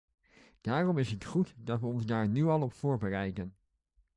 Daarom is het goed dat we ons daar nu al op voorbereiden.